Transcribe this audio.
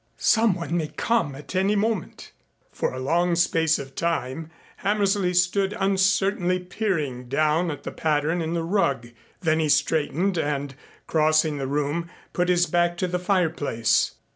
"Someone may come at any moment." For a long space of time Hammersley stood uncertainly peering down at the pattern in the rug, then he straightened and, crossing the room, put his back to the fireplace.